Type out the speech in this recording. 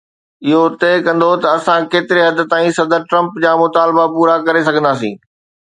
اهو طئي ڪندو ته اسان ڪيتري حد تائين صدر ٽرمپ جا مطالبا پورا ڪري سگهنداسين.